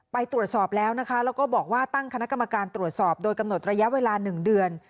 ไปตรวจสอบแล้วนะคะแล้วก็บอกว่าตั้งคณะกรรมการตรวจสอบโดยกำหนดระยะเวลา๑เดือน